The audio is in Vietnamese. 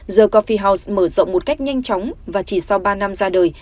the cophie house mở rộng một cách nhanh chóng và chỉ sau ba năm ra đời